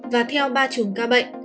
và theo ba chùm ca bệnh